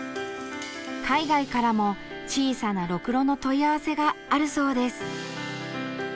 海外からも小さなろくろの問い合わせがあるそうです。